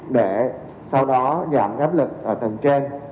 để sau đó giảm gấp lực ở tầng trên